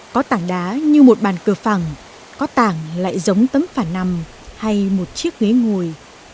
có tảng đá như một bàn cờ phẳng có tảng lại giống tấm phản nằm hay một chiếc ghế ngồi